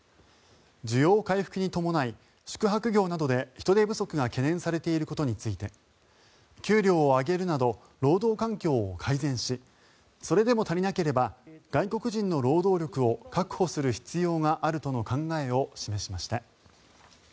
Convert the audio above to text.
需要回復に伴い宿泊業などで人手不足が懸念されていることについて給料を上げるなど労働環境を改善しそれでも足りなければ外国人の労働力を確保する必要があるとの考えを示しました。